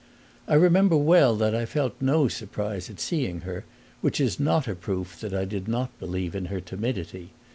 I remember well that I felt no surprise at seeing her; which is not a proof that I did not believe in her timidity.